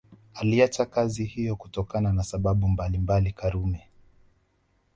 Aliacha kazi hiyo kutokana na sababu mbalimbali Karume